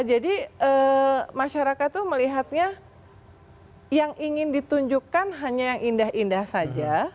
jadi masyarakat itu melihatnya yang ingin ditunjukkan hanya yang indah indah saja